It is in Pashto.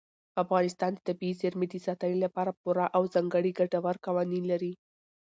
افغانستان د طبیعي زیرمې د ساتنې لپاره پوره او ځانګړي ګټور قوانین لري.